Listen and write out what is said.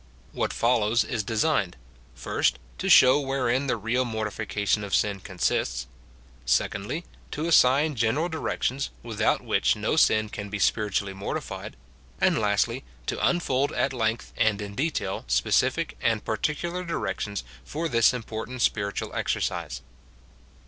What follows is designed— first, to show ■wherein the real mortification of sin consists ; secondly, to assign gen eral directions, without which no sin can be spiritually mortified : and, lastly, to unfold at length and in detail specific and particular directions for tliis important spiritual exercise.